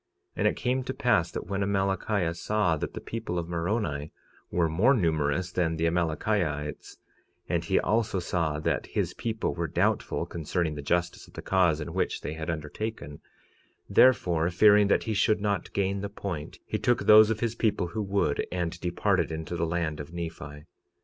46:29 And it came to pass that when Amalickiah saw that the people of Moroni were more numerous than the Amalickiahites—and he also saw that his people were doubtful concerning the justice of the cause in which they had undertaken—therefore, fearing that he should not gain the point, he took those of his people who would and departed into the land of Nephi.